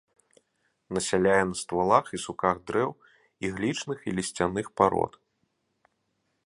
Насяляе на ствалах і суках дрэў іглічных і лісцяных парод.